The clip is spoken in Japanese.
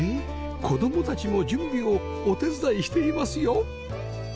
子供たちも準備をお手伝いしていますよ